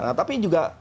nah tapi juga